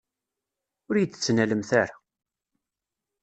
Ur iyi-d-ttnalemt ara!